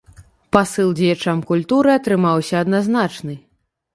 Пасыл дзеячам культуры атрымаўся адназначны.